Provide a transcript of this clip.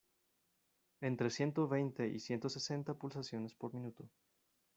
entre ciento veinte y ciento sesenta pulsaciones por minuto.